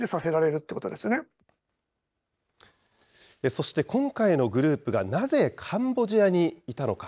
そして今回のグループが、なぜカンボジアにいたのか。